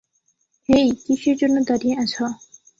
হেই, কীসের জন্যে দাঁড়িয়ে আছ?